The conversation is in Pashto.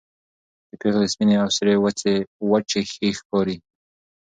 د پېغلې سپينې او سرې وڅې ښې ښکاري